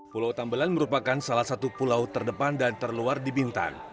pulau tambelan merupakan salah satu pulau terdepan dan terluar di bintan